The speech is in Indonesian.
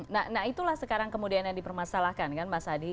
nah itulah sekarang kemudian yang dipermasalahkan kan mas adi